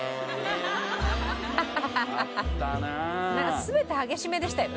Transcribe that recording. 全て激しめでしたよね。